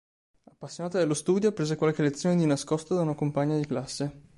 Appassionata dello studio, prese qualche lezione di nascosto da una compagna di classe.